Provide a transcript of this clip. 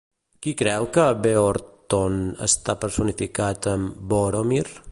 Qui creu que Beorhtnoth està personificat en Bóromir?